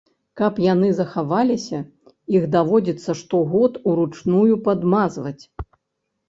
Каб яны захаваліся, іх даводзіцца штогод уручную падмазваць.